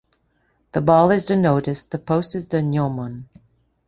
The ball is the nodus, the post is the gnomon.